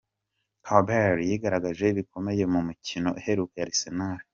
Campbell yigaragaje bikomeye mu mikino iheruka ya Arsenal.